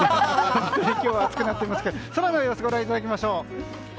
今日は暑くなっていますが空の様子をご覧いただきましょう。